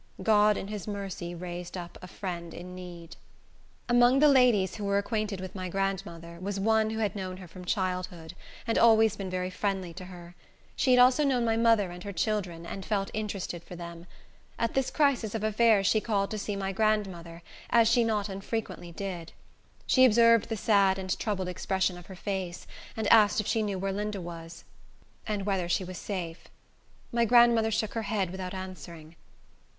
God in his mercy raised up "a friend in need." Among the ladies who were acquainted with my grandmother, was one who had known her from childhood, and always been very friendly to her. She had also known my mother and her children, and felt interested for them. At this crisis of affairs she called to see my grandmother, as she not unfrequently did. She observed the sad and troubled expression of her face, and asked if she knew where Linda was, and whether she was safe. My grandmother shook her head, without answering.